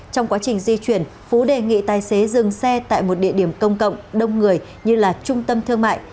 trong quá trình di chuyển phú đề nghị tài xế dừng xe tại một địa điểm công cộng đông người như là trung tâm thương mại